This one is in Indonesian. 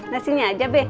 nasinya aja be